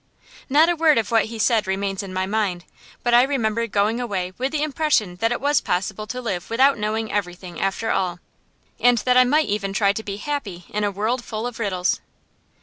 Not a word of what he said remains in my mind, but I remember going away with the impression that it was possible to live without knowing everything, after all, and that I might even try to be happy in a world full of riddles.